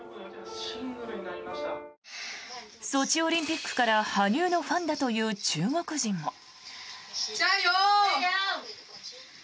ソチオリンピックから羽生のファンだという中国人も。